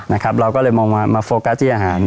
เราก็เลยมองมาโฟกัสที่อาหาร